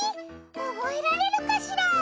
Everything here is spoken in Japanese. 覚えられるかしら？